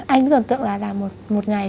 anh tưởng tượng là làm một ngày